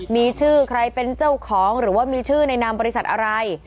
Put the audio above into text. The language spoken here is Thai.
มีชื่อใครเป็นเจ้าของหรือว่ามีชื่อในนามบริษัทอะไร